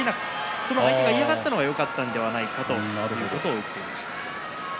それを相手が嫌がったのがよかったのではないかと言っていました。